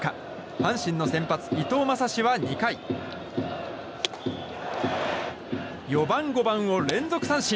阪神の先発、伊藤将司は２回４番、５番を連続三振。